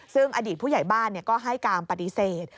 ซึ่งอดีตผู้ใหญ่บ้านก็ให้การปฏิเสธ